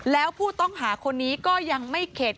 แล้วผู้ต้องหาคนนี้ก็ยังไม่เข็ด